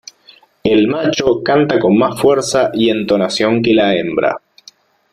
El macho canta con más fuerza y entonación que la hembra.